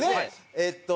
えっと。